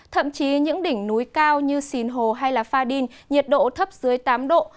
thậm chí những đỉnh núi cao như sìn hồ hay pha đin nhiệt độ thấp dưới tám độ